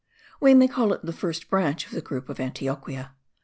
We may call it the first branch of the group of Antioquia.